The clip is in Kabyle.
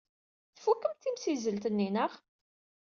Tfukemt timsizzelt-nni, naɣ?